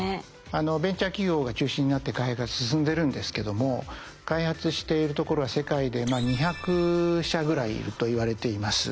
ベンチャー企業が中心になって開発が進んでるんですけども開発しているところは世界で２００社ぐらいいるといわれています。